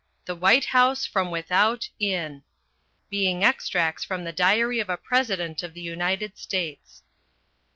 The White House from Without In Being Extracts from the Diary of a President of the United States.